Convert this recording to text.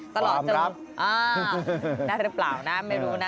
ตลอดจนอ้าวน่ะหรือเปล่านะไม่รู้นะ